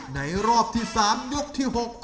ในรอบที่๓ยกที่๖ของ